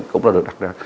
cũng đã được đặt ra